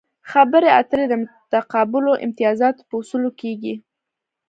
خبرې اترې د متقابلو امتیازاتو په اصولو کیږي